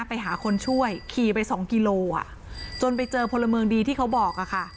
ไปหาคนช่วยขี่ไปสองกิโลอ่ะจนไปเจอพลเมืองดีที่เขาบอกอะค่ะ